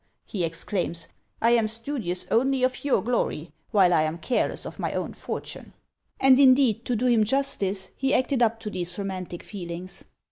(he exclaims) I am studious only of your glory, while I am careless of my own fortune." And indeed, to do him justice, he acted up to these romantic feelings.